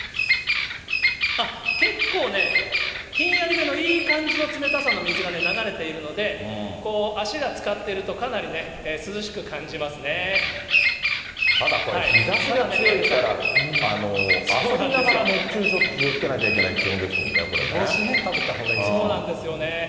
あっ、結構ね、ひんやりめのいい感じの冷たさの水が流れているので、足がつかっただ、これ日ざしが強いから、遊びながら熱中症って気をつけなきゃいけない気温ですもんね、こ帽子ね、かぶったほうがいいそうなんですよね。